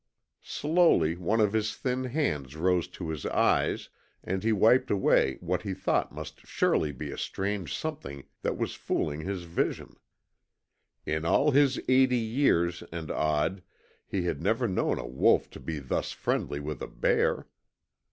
Slowly one of his thin hands rose to his eyes and he wiped away what he thought must surely be a strange something that was fooling his vision. In all his eighty years and odd he had never known a wolf to be thus friendly with a bear.